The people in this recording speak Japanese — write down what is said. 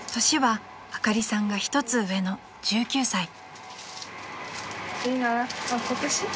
［年はあかりさんが１つ上の１９歳］